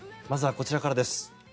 まずは、こちらからです。